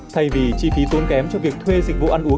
thay vì chi phí tốn kém cho việc thuê dịch vụ ăn uống